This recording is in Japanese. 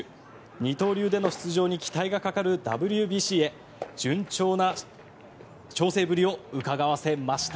二刀流での出場に期待がかかるＷＢＣへ順調な調整ぶりをうかがわせました。